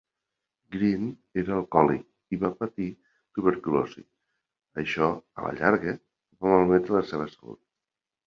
Grin era alcohòlic i va patir tuberculosi. Això, a la llarga, va malmetre la seva salut.